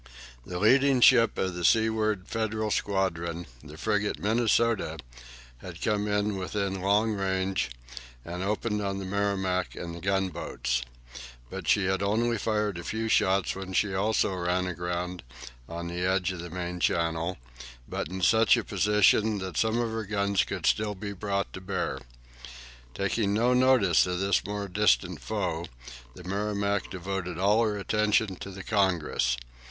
The leading ship of the seaward Federal squadron, the frigate "Minnesota," had come in within long range, and opened on the "Merrimac" and the gunboats. But she had only fired a few shots when she also ran aground on the edge of the main channel, but in such a position that some of her guns could still be brought to bear. Taking no notice of this more distant foe, the "Merrimac" devoted all her attention to the "Congress."